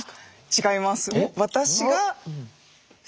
違います。